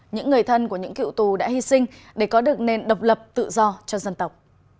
những người thân của những cựu tù đã hy sinh để có được nền độc lập tự do cho dân tộc